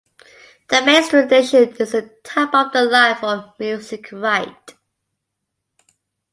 The Maestro edition is the top-of-the-line for Music Write.